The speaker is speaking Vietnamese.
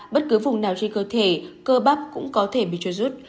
bất cứ vùng nào trên cơ thể cơ bắp cũng có thể bị trôi rút